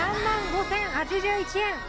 ３万５，０８１円。